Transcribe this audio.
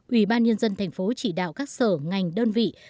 ủy ban nhân dân thành phố chỉ đạo các sở ngành đơn vị